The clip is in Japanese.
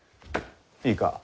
いいか？